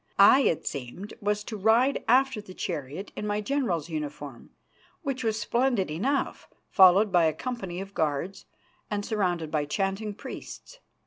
I, it seemed, was to ride after the chariot in my general's uniform, which was splendid enough, followed by a company of guards, and surrounded by chanting priests.